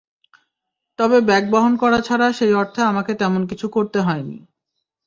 তবে ব্যাগ বহন করা ছাড়া সেই অর্থে আমাকে তেমন কিছু করতে হয়নি।